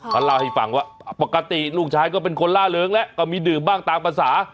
เขาเล่าให้ฟังว่าปกติลูกชายก็เป็นคนล่าเริงแล้วก็มีดื่มบ้างตามภาษา